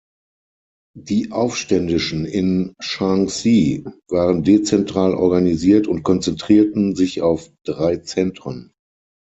Die Aufständischen in Shaanxi waren dezentral organisiert und konzentrierten sich auf drei Zentren.